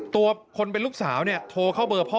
ตัวคนเป็นลูกสาวโทรเข้าเบอร์พ่อ